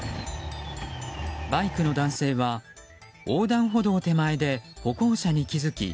バイクの男性は横断歩道手前で歩行者に気付き